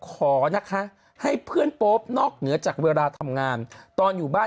ขอนะคะให้เพื่อนโป๊ปนอกเหนือจากเวลาทำงานตอนอยู่บ้าน